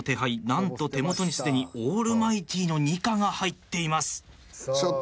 何と手元にすでにオールマイティーのニカが入っています。